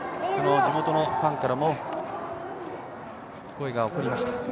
地元のファンからも声が起こりました。